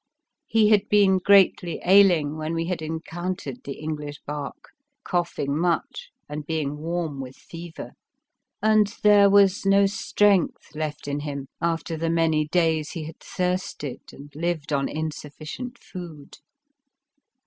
He had been greatly ailing when we had encountered the English barque, coughing much and being warm with fever, and there was no strength left in him after the many days he had thirsted and lived on in sufficient food.